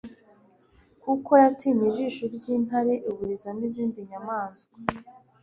kuko yatinye ijisho ry'intare iburizamo izindi nyamaswa